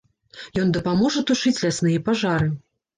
Ён дапаможа тушыць лясныя пажары.